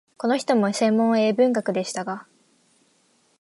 この人も専門は英文学でしたが、